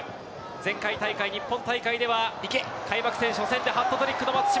前回大会、日本大会では、開幕戦初戦でハットトリックの松島。